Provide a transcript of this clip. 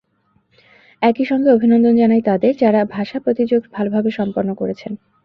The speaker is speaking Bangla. একই সঙ্গে অভিনন্দন জানাই তাঁদের, যাঁরা ভাষা প্রতিযোগ ভালোভাবে সম্পন্ন করেছেন।